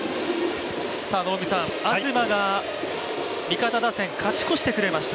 東が味方打線、勝ち越してくれました。